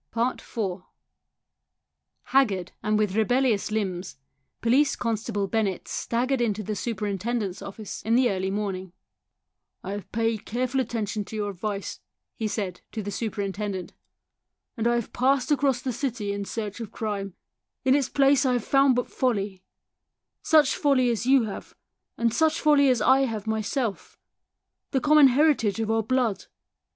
IV Haggard and with rebellious limbs, Police constable Bennett staggered into the super intendent's office in the early morning. " I have paid careful attention to your advice," he said to the superintendent, "and I have passed across the city in search of crime. In its place I have found but folly such folly as you have, such folly as I have myself the common heritage of our blood.